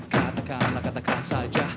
katakanlah katakan saja